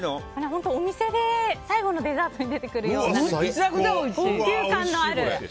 本当お店で最後のデザートに出てくるような高級感のある。